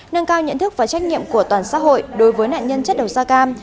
nâng cao nhận thức và trách nhiệm của toàn xã hội đối với nạn nhân chất độc da cam